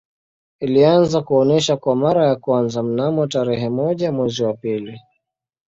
Ilianza kuonesha kwa mara ya kwanza mnamo tarehe moja mwezi wa pili